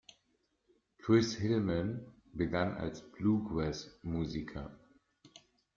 Chris Hillman begann als Bluegrass-Musiker.